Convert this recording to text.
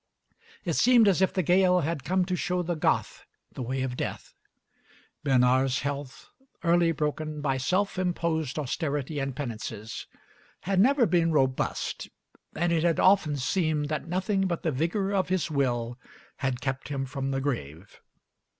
It seemed as if the Gael had come to show the Goth the way of death. Bernard's health, early broken by self imposed austerity and penances, had never been robust, and it had often seemed that nothing but the vigor of his will had kept him from the grave.